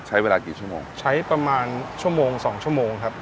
ใช้เวลากี่ชั่วโมงใช้ประมาณชั่วโมงสองชั่วโมงครับ